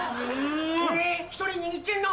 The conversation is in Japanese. １人で握ってんの？